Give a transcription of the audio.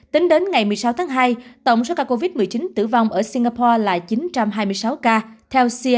tính đến ngày một mươi sáu tháng hai tổng số ca covid một mươi chín tử vong ở singapore đã cao hơn tám lần và số ca bệnh nặng cũng như số ca tử vong cao hơn gấp một mươi một lần